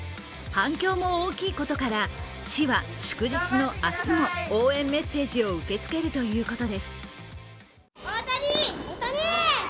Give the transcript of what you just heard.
反響も大きいことから市は祝日の明日も応援メッセージを受け付けるということです。